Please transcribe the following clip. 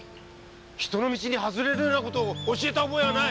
人の道に外れるようなことを教えた覚えはない！